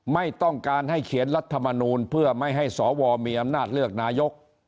ไม่ต้องการให้เขียนรัฐมนูลเพื่อไม่ให้สวมีอำนาจเลือกนายก